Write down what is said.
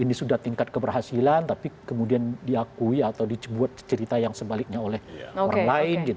ini sudah tingkat keberhasilan tapi kemudian diakui atau dibuat cerita yang sebaliknya oleh orang lain